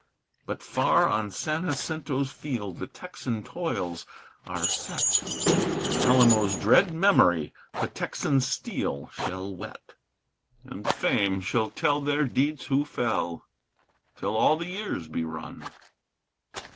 But far on San Jacinto's field the Texan toils are set, And Alamo's dread memory the Texan steel shall whet. And Fame shall tell their deeds who fell till all the years be run.